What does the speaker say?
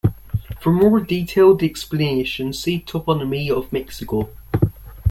For more detailed explanation see Toponymy of Mexico.